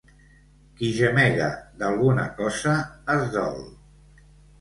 Qui gemega d'alguna cosa es dol.